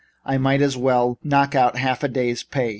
I might just as well knock out half a day's pay."